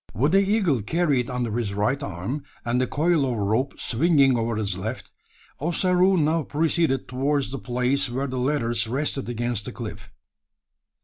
With the eagle carried under his right arm, and the coil of rope swinging over his left, Ossaroo now proceeded towards the place where the ladders rested against the cliff.